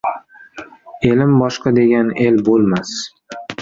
Elim boshqa degan, el bo'lmas.